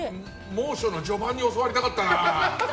猛暑の序盤に教わりたかったな。